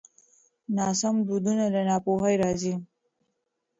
ناسم دودونه له ناپوهۍ راځي.